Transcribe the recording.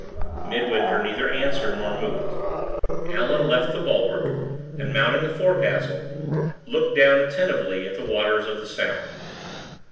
Midwinter neither answered nor moved. Allan left the bulwark, and, mounting the forecastle, looked down attentively at the waters of the Sound.